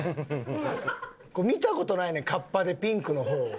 見た事ないねんカッパでピンクの方を。